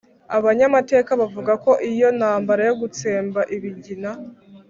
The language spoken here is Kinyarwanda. Abanyamateka bavuga ko iyo ntambara yo gutsemba Ibigina